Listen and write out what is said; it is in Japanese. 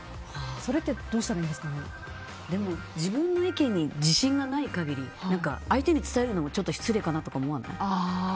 それって自分の意見に自信がない限り相手に伝えるのが失礼かなとか思わない？